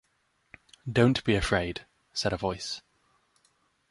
“Don’t be afraid,” said a voice.